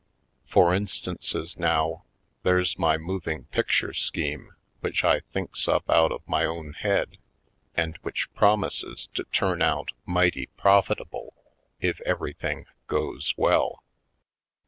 For instances, now, there's my moving pic ture scheme which I thinks up out of my own head and which promises to turn out mighty profitable if everything goes well.